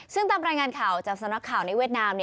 ซึ่งตามรายงานข่าวจากสำนักข่าวในเวียดนาม